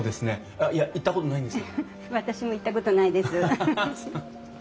私も行ったことないです。